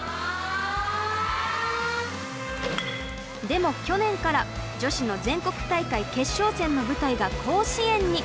でも去年から女子の全国大会決勝戦の舞台が甲子園に。